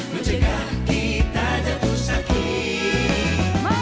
menjaga kita jatuh sakit